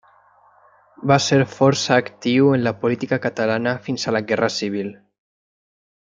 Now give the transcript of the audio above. Va ser força actiu en la política catalana fins a la guerra civil.